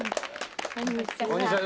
「こんにちは。